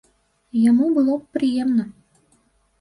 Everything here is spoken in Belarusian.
Яму было б прыемна.